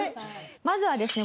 まずはですね